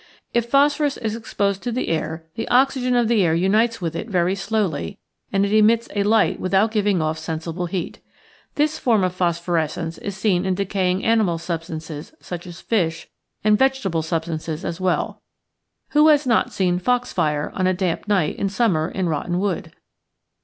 If phosphorus is exposed to the air the , i . Original from UNIVERSITY OF WISCONSIN pboepborescence. 207 oxygen of the air unites with it very slowly and it emits a light without giving off sensible heat. This form of phosphorescence is seen in decaying animal substances, such as fish, and vegetable substances as well. Who has not seen " foxfire " on a damp night in summer in rotten wood?